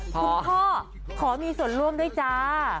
คุณพ่อขอมีส่วนร่วมด้วยจ้า